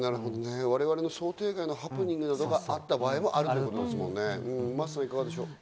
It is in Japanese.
我々の想定外のハプニングがあったことも可能性があるということですよね。